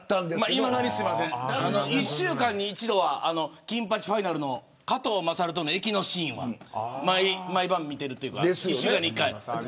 いまだに１週間に一度は金八ファイナルの加藤優との駅のシーンは毎晩、見てるというか週に１回。